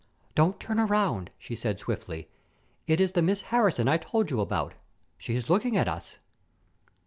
"Don't turn around," she said swiftly. "It is the Miss Harrison I told you about. She is looking at us."